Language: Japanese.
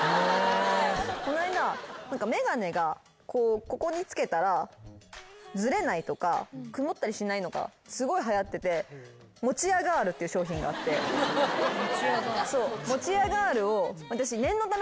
この間眼鏡がここにつけたらずれないとか曇ったりしないのがすごいはやっててモチアガールっていう商品があってモチアガールを私。